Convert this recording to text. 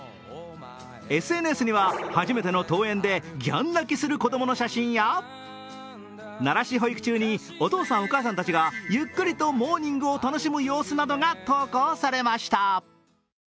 ＳＮＳには初めての登園でギャン泣きする子供の写真や慣らし保育中にお父さん、お母さんたちがゆっくりとモーニングを楽しむ様子などが投稿されました。